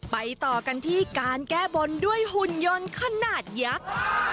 ต่อกันที่การแก้บนด้วยหุ่นยนต์ขนาดยักษ์